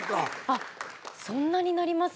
あっそんなになりますかね。